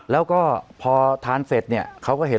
แล้วก็พอทานเสร็จเนี่ยเขาก็เห็น